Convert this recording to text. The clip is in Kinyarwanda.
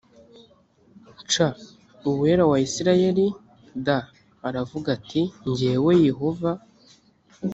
c uwera wa isirayeli d aravuga ati jyewe yehova